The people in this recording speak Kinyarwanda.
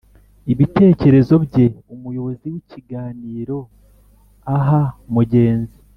ibitekerezo bye, umuyobozi w’ikiganiro aha mugenzi